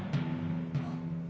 あっ。